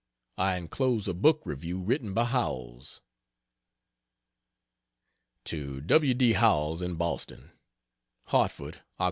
I enclose a book review written by Howells. To W. D. Howells, in Boston: HARTFORD, Oct.